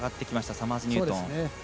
サマーズニュートン。